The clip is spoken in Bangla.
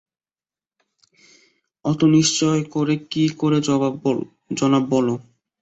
অত নিশ্চয় করে কী করে জানব বলো।